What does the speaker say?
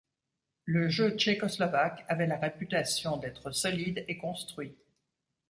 Le jeu tchécoslovaque avait la réputation d'être solide et construit.